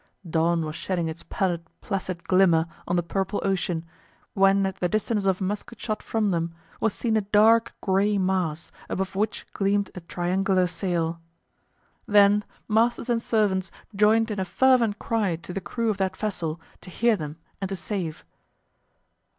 Dawn was shedding its pallid, placid glimmer on the purple ocean, when at the distance of a musket shot from them was seen a dark gray mass, above which gleamed a triangular sail; then masters and servants joined in a fervent cry to the crew of that vessel to hear them and to save.